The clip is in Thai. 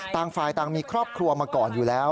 ต่างฝ่ายต่างมีครอบครัวมาก่อนอยู่แล้ว